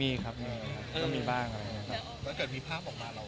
ถ้าเกิดไม่ได้ทำใจแล้วมีคนออกมา